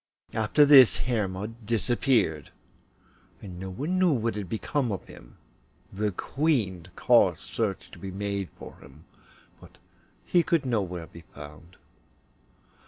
After this Hermod disappeared, and no one knew what had become of him; the Queen caused search to be made for him, but he could nowhere be found.